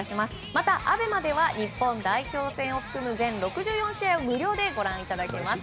また、ＡＢＥＭＡでは日本代表戦を含む全６４試合を無料でご覧いただけます。